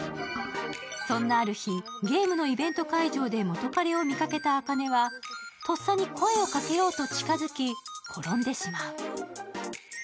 そんなある日、ゲームのイベント会場で元カレを見かけた茜はとっさに声をかけようと近づき転んでしまう。